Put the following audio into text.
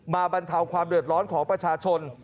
บรรเทาความเดือดร้อนของประชาชน